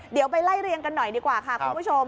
เดี๋ยวไปไล่เรียงกันหน่อยดีกว่าค่ะคุณผู้ชม